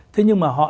thế nhưng mà họ đang